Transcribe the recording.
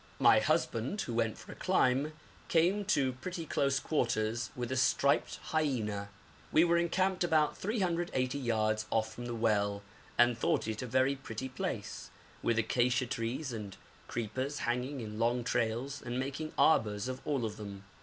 My husband, who went for a climb, came to pretty close quarters with a striped hyena. We were encamped about 380 yards off from the well, and thought it a very pretty place, with acacia trees and creepers hanging in long trails and making arbours of all of them.